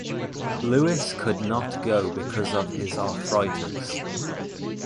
Louis could not go because of his arthritis.